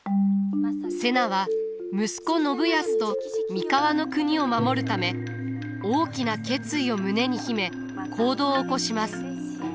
瀬名は息子信康と三河国を守るため大きな決意を胸に秘め行動を起こします。